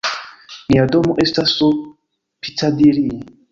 Nia domo estas sur Piccadilli.